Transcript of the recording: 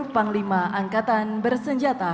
panglima angkatan bersenjata